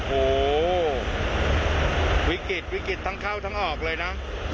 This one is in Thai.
โอ้โหวิกฤตวิกฤตทั้งเข้าทั้งออกเลยนะ